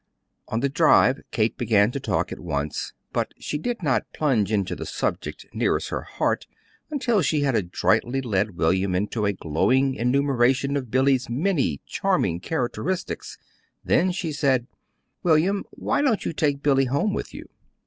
On the drive Kate began to talk at once, but she did not plunge into the subject nearest her heart until she had adroitly led William into a glowing enumeration of Billy's many charming characteristics; then she said: "William, why don't you take Billy home with you?"